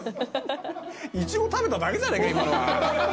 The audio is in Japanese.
イチゴ食べただけじゃねえか今のは。